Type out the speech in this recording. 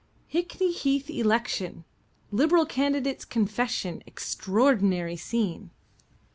"Hickney Heath Election. Liberal Candidate's Confession. Extraordinary Scene."